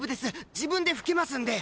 自分で拭けますんで！